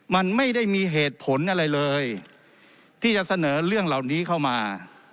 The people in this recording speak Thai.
มันไม่ได้มีเหตุผลอะไรเลยที่จะเสนอเรื่องเหล่านี้เข้ามา